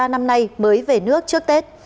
ba năm nay mới về nước trước tết